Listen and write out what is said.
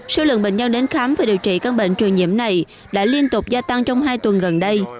số lượng bệnh nhân đến khám và điều trị các bệnh truyền nhiễm này đã liên tục gia tăng trong hai tuần gần đây